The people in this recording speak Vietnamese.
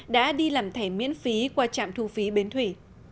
đã đi làm thẻ miễn phí qua trạm thu phí bến thủy